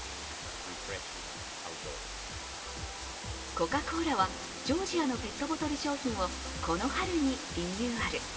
コカ・コーラはジョージアのペットボトル商品をこの春にリニューアル。